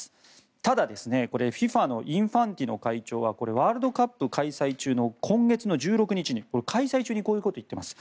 ただ、ＦＩＦＡのインファンティノ会長はワールドカップ開催中の今月１６日に開催中にこういうことを言っています。